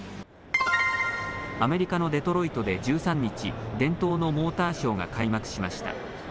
アメリカのデトロイトで１３日、伝統のモーターショーが開幕しました。